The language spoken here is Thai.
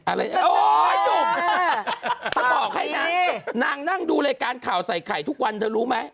อะไรโอ๊ยหนุ่มจะบอกให้นางนางนั่งดูรายการข่าวใส่ไข่ทุกวันเธอรู้ไหม